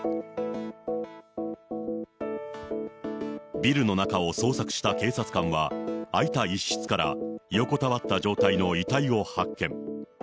ビルの中を捜索した警察官は、空いた一室から横たわった状態の遺体を発見。